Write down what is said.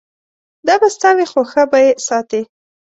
دا به ستا وي خو ښه به یې ساتې.